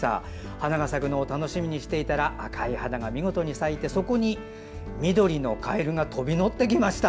花が咲くのを楽しみにしていたら赤い花が見事に咲いてそこに緑のカエルが飛び乗ってきました。